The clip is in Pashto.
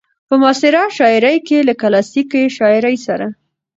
په معاصره شاعرۍ کې له کلاسيکې شاعرۍ سره